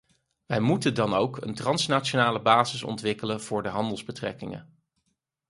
Wij moeten dan ook een transnationale basis ontwikkelen voor de handelsbetrekkingen.